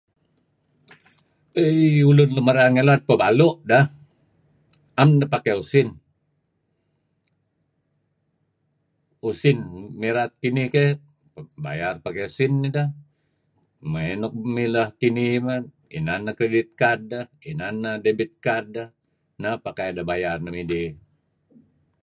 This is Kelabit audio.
Eii ulun lun merar ngilad peh balu' deh. Am deh pakai usin. Usin mirat kinih keh bayar pakai usin nideh. Maya' nuk mileh kinih men inan neh credit card deh, inan neh debit card deh, neh makai deh bayar nuk midih.